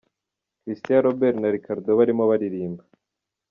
Christian Robert na Ricardo barimo baririmba.